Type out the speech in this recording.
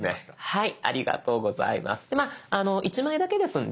はい。